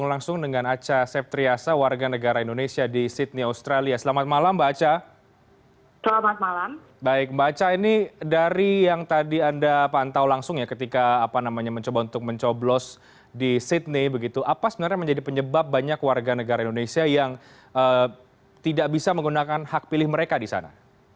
ada seorang warga negara indonesia yang tidak bisa menggunakan hak pilih mereka di sana